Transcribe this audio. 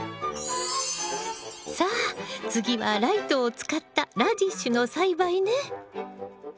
さあ次はライトを使ったラディッシュの栽培ね。